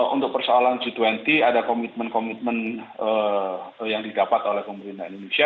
untuk persoalan g dua puluh ada komitmen komitmen yang didapat oleh pemerintah indonesia